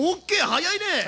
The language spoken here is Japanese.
早いね！